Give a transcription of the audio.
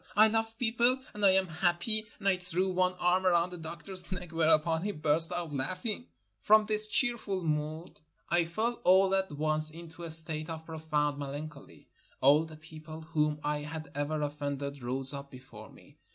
I love people, and I am happy, and I threw one arm around the doctor's neck, whereupon he burst out laughing. From this cheerful mood I fell all at once into a state of profound melan choly. All the people whom I had ever offended rose up before me.